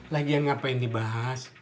lagian ngapain dibahas